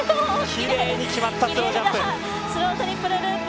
きれいに決まったスロージャンプ。